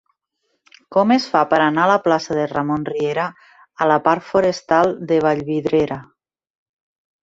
Com es fa per anar de la plaça de Ramon Riera a la parc Forestal de Vallvidrera?